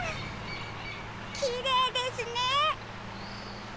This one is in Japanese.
きれいですね！